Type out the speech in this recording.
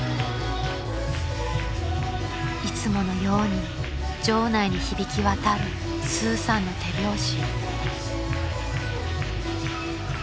［いつものように場内に響き渡るスーさんの手拍子］